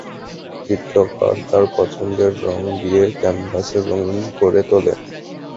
চিত্রকর তার পছন্দের রং দিয়ে ক্যানভাসকে রঙিন করে তোলে।